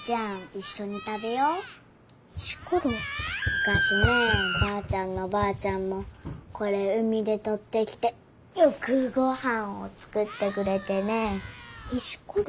むかしねばあちゃんのばあちゃんもこれ海でとってきてよくごはんを作ってくれてね。